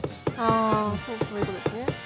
あそういうことですね。